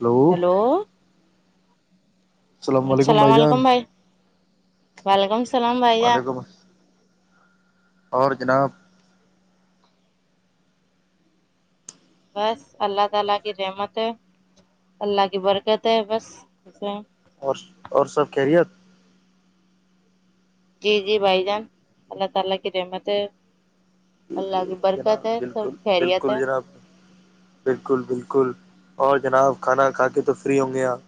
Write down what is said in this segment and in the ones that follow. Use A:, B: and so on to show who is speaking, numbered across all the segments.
A: Hello
B: hello السلام علیکم بھائی وعلیکم اسلام بھائی جان
A: وعلیکم اور جناب
B: بس اللہ تعالی کی رحمت ہے اللہ کی برکت ہے بس ہیں
A: اور اور سب خیریت
B: جی جی بھائی جان اللہ تعالی کی رحمت ہے اللہ کی برکت
A: جناب
B: ہے سب
A: بالکل
B: خیریت ہے
A: بالکل جناب بالکل بالکل اور جناب کھانا کھا کے تو فری ہوں گے آپ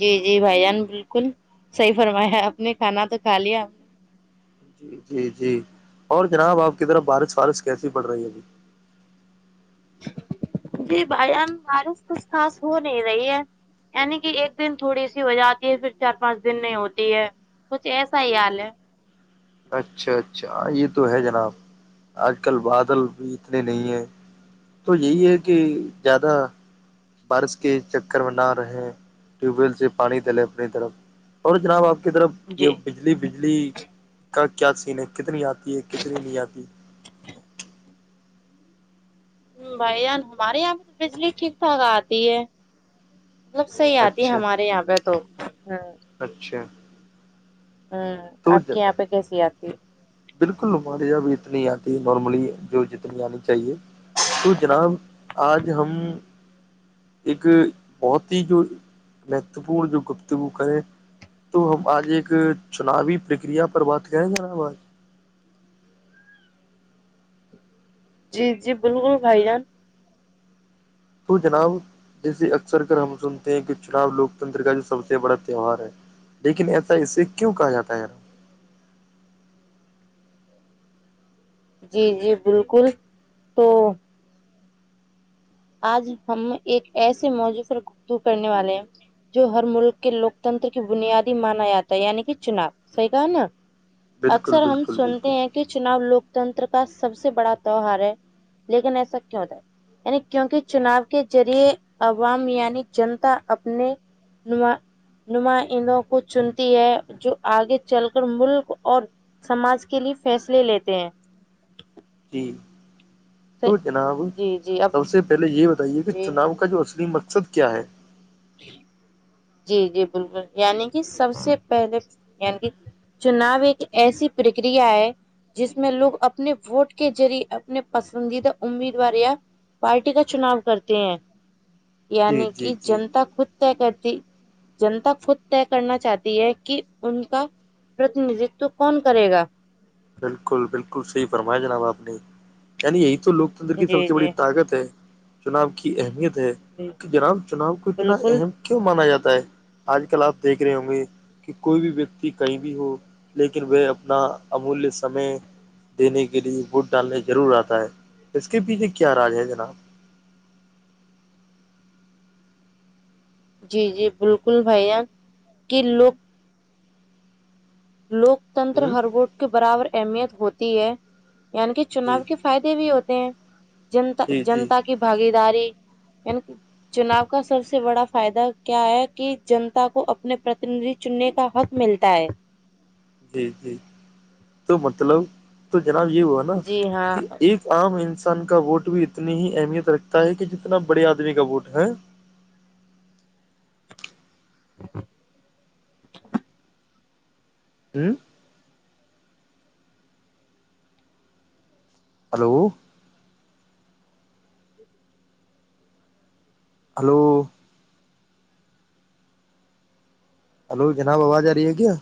B: جی جی بھائی جان بالکل صحیح فرمایا آپ نے کھانا تو کھا لیا
A: جی جی اور جناب آپ کی طرف بارش وارش کیسی پڑ رہی ابھی
B: جی بھائی جان بارس کچھ خاص ہو نہیں رہی ہے یعنی کہ ایک دن تھوڑی سی ہو جاتی ہے پھر چار پانچ دن نہیں ہوتی ہے کچھ ایسا ہی حال ہے
A: اچھا اچھا یہ تو ہے جناب آج کل بادل بھی اتنے نہیں ہیں تو یہی ہے کہ زیادہ بارش کے چکر میں نہ رہے ٹیوب ویل سے پانی ڈلے اپنی طرف اور جناب آپ کی طرف یہ
B: جی
A: بجلی بجلی کا کیا سین ہے کتنی آتی ہے کتنی نہیں آتی
B: بھائی جان ہمارے یہاں پے تو بجلی ٹھیک ٹھاک آتی ہے مطلب صحیح آتی
A: اچھا
B: ہمارے یہاں پہ تو
A: اچھا
B: ہوں
A: تو
B: آپ کے
A: جناب
B: یہاں پہ کیسی آتی
A: بالکل ہمارے یہاں بھی اتنی آتی ہے نارملی جو جتنی آنی چاہیے تو جناب آج ہم ایک بہت ہی جو مہتوپورن جو گپتگو کرے تو ہم آج ایک چناوی پرکریا پر بات کریں جناب آج
B: جی جی بالکل بھائی جان
A: تو جناب جیسے اکثر کر ہم سنتے ہیں کہ چناب لوکتنتر کا جو سب سے بڑا تہوار ہے لیکن ایسا اسے کیوں کہا جاتا ہے ارا
B: جی جی بالکل تو آج ہم ایک ایسے موضو پرر گو کرنے والے ہیں جو ہر ملک کے لوکتنتر کی بنیادی مانا جاتا ہے یعنی کہ چناب سحی گ نا
A: بالکل
B: اکثر ہم
A: بالکل
B: سنتے
A: بالکل
B: ہیں چناؤ لوکتنتر کا سب سے بڑا تہوہار ہے لیکن ایسا کیوں ہوتا ہے یعنی کیونکہ چناؤ کے ذریعے عوام یعنی جنتا اپنے ن نمائندوں کو چنتی ہے جو آگے چل کر ملک اور سماج کے لیے فیصلے لیتے ہیں
A: جی
B: پھر-
A: تو جناب
B: جی جی اب
A: سب سے پہلے یہ بتائیے کہ
B: جی
A: چناؤ کا جو اصلی مقصد کیا ہے
B: [unintelligible] جی جی بالکل یعنی کہ سب سے پہلے یع کہ چناؤ ایک ایسی پرکریا ہے جس میں لوگ اپنے ووٹ کے ذریعے اپنے پسندیدہ امیدوار یا پارٹی کا چناؤ کرتے ہیں
A: جی
B: یعنی
A: جی
B: کہ
A: جی
B: جنتا خود طے کرتی جنتا خود طے کرنا چاہتی ہے کہ ان کا پرتندتو کون کرے گا
A: بالکل بالکل صحیح فرمایا جناب آپ نے یعنی یہی تو لوگ تندر کی سب
B: جی
A: سے بڑی
B: جی
A: طاقت ہے چناب کی اہمیت ہے کہ جناب چناؤ کو اتنا
B: بالکل
A: اہم کیوں مانا جاتا ہے آج کل آپ دیکھ رہے ہوں گے کہ کوئی بھی ویکتی کہیں بھی ہو لیکن وہ اپنا امولیہ سمے دینے کے لیے ووٹ ڈالنے ضرور آتا ہے اس کے پیچھے کیا راج ہے جناب
B: جی جی بالکل بھیا کہ لوگ لوکتنتر
A: ہ
B: ہر ووٹ کے برابر اہمیت ہوتی ہے یعنی کہ
A: جی
B: چناؤ کی فائدے بھی ہوتے ہیں جنتا
A: جی جی
B: جنتا کی بھاگی داری چناؤ کا سب سے بڑا فائدہ کیا ہے کہ جنتا کو اپنے پرتنید چننے کا حق ملتا ہے
A: جی جی تو مطلب تو جناب یہ وہ ہے نا
B: جی ہاں
A: کہ ایک عام انسان کا ووٹ بھی اتنی ہی اہمیت رکھتا ہے کہ جتنا بڑے آدمی کا ووٹ ہے ہوں ہلو ہلو ہلو جناب آواز آ رہی ہے کیا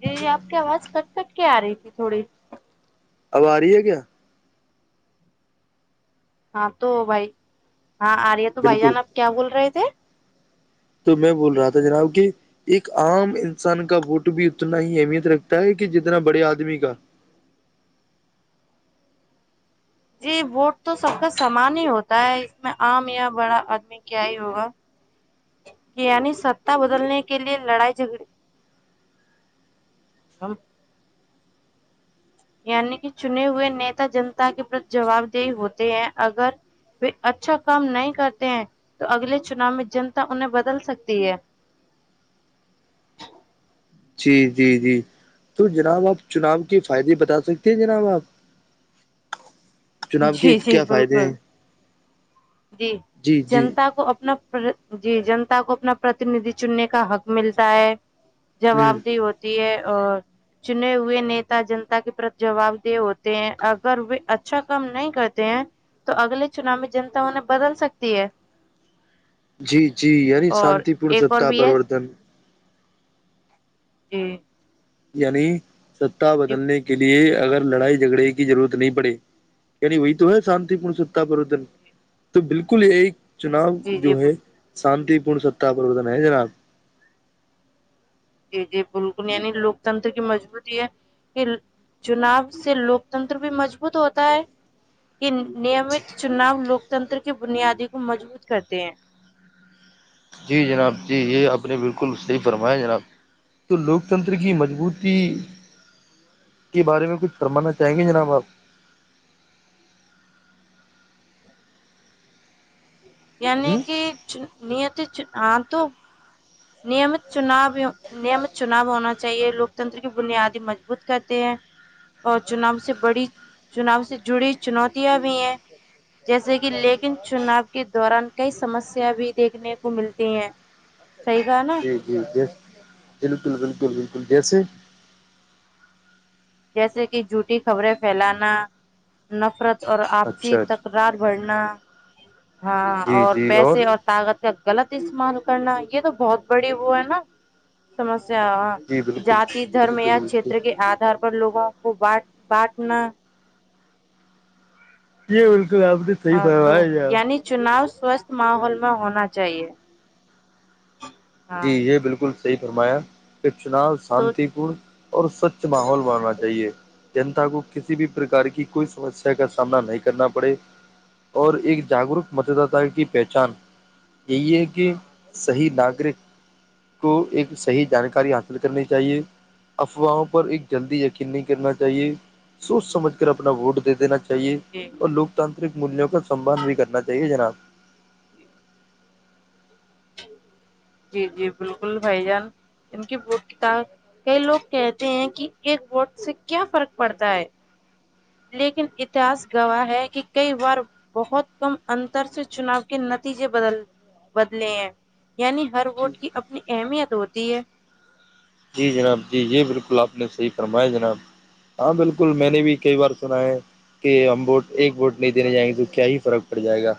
B: جی جی آپ کی آواز کٹ کٹ کے آ رہی تھی تھوڑی
A: آو آ رہی ہے کیا
B: ہاں تو بھائی ہاں آ رہے ہے تو بھائی
A: بالکل
B: جان آپ کیا بول رہے تھے
A: تو میں بول رہا تھا جناب کہ ایک عام انسان کا ووٹ بھی اتنا ہی اہمیت رکھتا ہے کہ جتنا بڑے آدمی کا
B: جی ووٹ تو سب کا سامان ہی ہوتا ہے اس میں عام یا بڑا آدمی کیا ہی ہوگا یعنی ستا بدلنے کے لیے لڑائی جھگڑی [unintelligible] یعنی کہ چنے ہوئے نیتا جنتا کے پر جوابدی ہوتے ہیں اگر اچھا کام نہیں کرتے ہیں تو اگلے چناؤ میں جنتا انہیں بدل سکتی ہے
A: جی جی جی تو جناب آپ چناؤ کے فائدے بتا سکتے ہیں جناب آپ چناب کی
B: جی جی
A: کیا فائدے
B: بالکل
A: ہیں
B: جی جنتا کو اپنا جی جنتا کو اپنا پرتیندھی چننے کا حق ملتا ہے
A: ہ
B: جوابدہ ہو ہے اور چنے ہوئے نیتا جنتا کے پرت جواب دہ ہوتے ہیں اگر و اچھا کم نہیں کرتے ہیں تو اگلے چناؤ میں جنتا انہیں بدل سکتی ہے
A: جی جی یعنی
B: اور
A: شانتی پورن
B: ایک اور
A: ستا
B: بھی ہے
A: پرورتن
B: جی
A: یعنی ستتا
B: جی
A: بدلنے کے لیے اگر لڑائی جھگڑے کی ضرورت نہیں پڑے یعنی وہی تو ہے شانتی پورن ستا پرورتن تو بالکل یہ ایک چناؤ
B: جی جی
A: جو ہے شانتی پورن ستا پرورتن ہے جناب
B: یہ بک یعنی لوکتنتر کی مجبوط ہے یہ چناب سے لوکتنتر بھی مضبوط ہوتا ہے کہ نیمت چناؤ لوکتنتر کی بنیادی کو مضبوط کرتے ہیں
A: جی جناب جی یہ آپ نے بالکل صحیح فرمایا جناب تو لوک تنتر کی مضبوطی کے بارے میں کچھ فمانا چاہیں گے جناب آپ
B: یعنی
A: ہوں
B: کہ نت ہ تو نیمت چنابوں نمت چناؤ ہونا چاہیے لوکتنتر کی بنیادی مضبوط کرتے ہیں اور چناؤ سے بڑی چناؤ سے جڑی چنوتیاں بھی ہیں جیسے کہ لیکن چناؤ کے دوران کئی سمسیا بھی دیکھنے کو ملتی ہیں صحی نا [unintelligible]
A: جی جی جی بالکل بالکل بالکل جیسے
B: جیسے کہ جھوٹی خبریں پھیلانا نفرت اور آپسی
A: اچھا
B: تک
A: اچھا
B: ار بڑنا ہاں
A: جی
B: اور
A: جی
B: پیسے اور طاقت کا غلط استعمال کرنا یہ تو بہت بڑی وہ ہے نا سمسیااں
A: جی بالکل
B: جتی دھرم
A: بالکل
B: یا چھیت
A: بالکل
B: کے آدھار پر لوگوں کو بٹ بانٹنا
A: یہ بالکل آپے سی
B: ہاں
A: پائی
B: تو
A: آئے
B: یعنی چناؤ سوستھ ماحول میں ہونا چاہیے
A: جی
B: ہاں
A: یہ بالکل صحیح فرمایا کچنا
B: تو
A: شانتی پورن اور سوچھ ماحول بننا چاہیے جنتا کو کسی بھی پرکار کی کوئی سمسیا کا سامنا نہیں کرنا پڑے اور ایک جاگروک متدات کی پہچان یہی ہے کہ صحیح ناگرک کو ایک صحی جانکاری حاصل کرنی چاہیے افواہوں پر ایک جلدی یقین نہیں کرنا چاہیے سوچ سمجھ کر اپنا ووٹ دے دینا چاہیے
B: جی
A: اور لوکتاانترک مولیوں کا سمھان بھی کرنا چاہیے جناب
B: جی جی بالکل بھائی جان ان کے ووٹ کی ط کئی لوگ کہتے ہیں کہ ایک ووٹ سے کیا فرق پڑتا ہے لیکن اتہاس گواہ ہے کہ کئی بار بہت کم انتر سے چناؤ کے نتیجے بدل بدلے ہیں یعنی ہر ووٹ کی اپنی اہمیت ہوتی ہے
A: جی جناب جی یہ بالکل آپ نے صحیح فرمایا جناب ہاں بالکل میں نے بھی کئی بار سنا ہے کہ ہم ووٹ ایک ووٹ نہیں دینے جائیں گے تو کیا ہی فرق پڑ جائے گا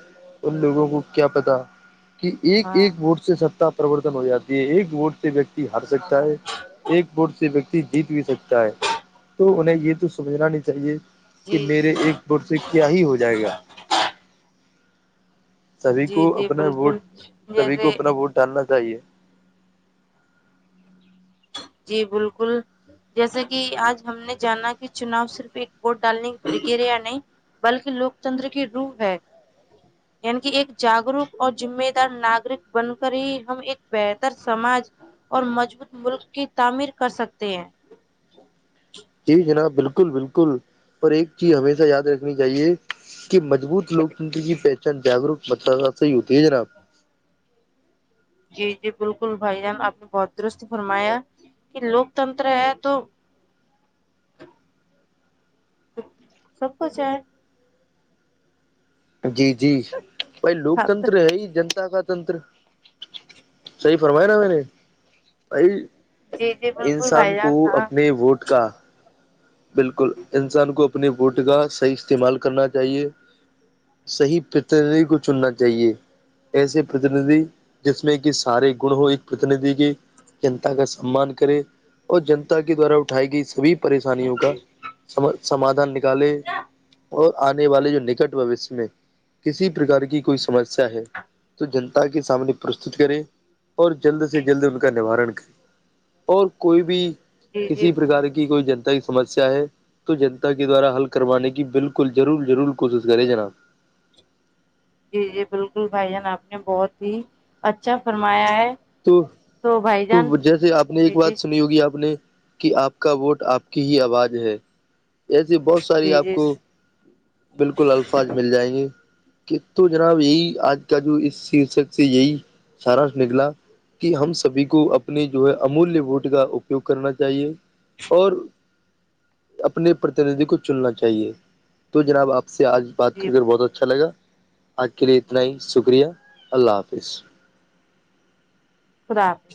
A: ان لوگوں کو کیا پتا کہ ایک
B: ہاں
A: ایک ووٹ سے ستا پروررتن ہو جاتی ہے ایک ووٹ سے ویکتی ہار سکتا ہے ایک بورڈ سے ویکتی جیت بھی سکتا ہے تو انہیں یہ تو سمجھنا نہیں چاہیے کہ
B: جی
A: میرے ایک بٹ سے کیا ہی ہو جائے گا سبھی کو
B: جی جی
A: اپنا ووٹ
B: بالکل
A: سبھی کو
B: جیسے
A: اپنا ووٹ ڈالنا چاہیے
B: جی بالکل جیسا کہ آج ہم نے جانا کہ چناؤ صرف ایک ووٹ ڈالنے کی پرکر یا نہیں بلکہ لوک تنتر کی روح ہے
A: [inaudible]
B: یع کہ ایک جاگروک اور جذمے دار ناگرک بن کر ہی ہم ایک بہتر سماج اور مضبوط ملک کی تعمیر کر سکتے ہیں
A: جی جناب بالکل بالکل پر ایک چیز ہمیشہ یاد رکھنی چاہیے کہ مضبوت لوکتنتر کی پہچان جاگروک متد سے ہی ہوتی ہے جرا
B: جی جی بالکل بھائی جان آپ نے بہت درست فرمایا کہ لوکتنتر ہے تو
A: [inaudible]
B: سب کچھ ہے
A: جی جی بھائی لوک
B: ہاں۔
A: تنتر ہے ہی جنتا کا تنتر صحی فرمایا نا میں نے ب
B: جی جی بالکل
A: انسان
B: بھائی
A: کو
B: جان ہاں
A: اپنے ووٹ کا بالکل انسان کو اپنے بوٹ کا صحیح استعمال کرنا چاہیے صحی پت کو چننا چاہیے ایسے پرتیندھی جس میں کہ سارے گن ہو ایک پرتندھی کے جنتا کا سمان کرے اور جنتا کے دوارا اٹھائی گئی سبھی پری کا سمادان نکالے اور آنے والے جو نکٹ بوش میں کسی پرکار کی کوئی سمسیا ہے تو جنتا کے سامنے پرستت کرے اور جلد سے جلد ان کا نوارن کرے اور کوئی بھی
B: جی جی
A: کسی پرکار کی کوئی جنتا سمسیا ہے تو جنتا کے دوارا حل کروانے کی بالکل ضرور ضرور کوشش کرے جناب
B: جی جی بالکل بھائی جان آپ نے بہت ہی اچھا فرمایا ہے
A: تو
B: بھائی
A: تو
B: جان
A: جیسے آپ نے ایک
B: جی
A: بات
B: جی
A: سنی ہوگی آپ نے کہ آپ کا ووٹ آپ کی ہی آواز ہے ایسی بہت ساری
B: جی
A: آپ
B: جی
A: کو بالکل الفاظ مل جائیں گی تو جناب یہی آج کا جو اس شیشک سے یہی سارا نکلا کہ ہم سبھی کو اپنے جو ہے امولیہ ووٹ کا اپیوگ کرنا چاہیے اور اپنے پرتیندھی کو چننا چاہیے تو جناب آپ سے آج بات
B: جی
A: کر کر بہت اچھا لگا آپ کے لیے اتنا ہی شکریہ اللہ حافظ
B: خدابپ